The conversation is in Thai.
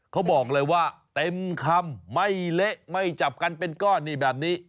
เขาบอกเลยว่าเต็มคำไม่เละไม่จับกันเป็นก้อนนี่แบบนี้